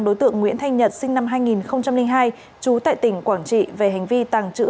đối tượng nguyễn thanh nhật sinh năm hai nghìn hai trú tại tỉnh quảng trị về hành vi tàng trữ